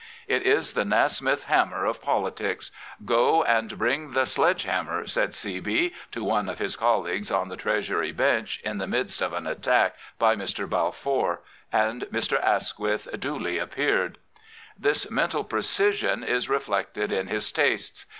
It is the Nasmyth hammer of politics. " Go and bring the sledge hammer/' said C. B." to one of his colleagues on the Treasury bench in the midst of an attack by Mr. Balfour. And Mr. Asquith duly appeared. This mental precision is reflected in his tastes.